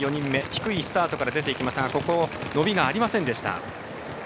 低いスタートから出ていきましたが伸びがありませんでした。